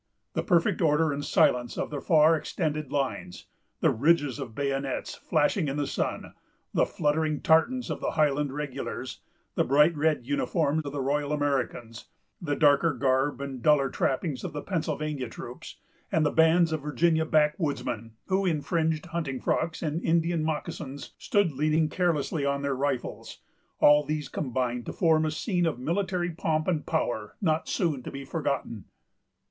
The perfect order and silence of the far extended lines; the ridges of bayonets flashing in the sun; the fluttering tartans of the Highland regulars; the bright red uniform of the Royal Americans; the darker garb and duller trappings of the Pennsylvania troops, and the bands of Virginia backwoodsmen, who, in fringed hunting frocks and Indian moccasons, stood leaning carelessly on their rifles,——all these combined to form a scene of military pomp and power not soon to be forgotten.